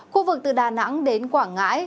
khu vực từ đà nẵng đến quảng ngãi